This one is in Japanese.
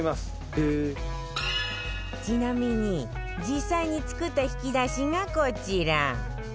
ちなみに実際に作った引き出しがこちら